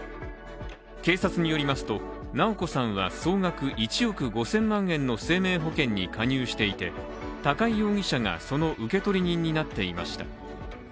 警察によりますと、直子さんは総額１億５０００万円の生命保険に加入していて高井容疑者がその受取人になっていました。